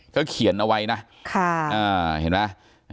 ก็เขียนเอาไว้นะค่ะอ่าเห็นไหมอ่า